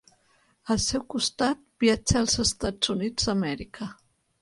Al seu costat, viatja als Estats Units d'Amèrica.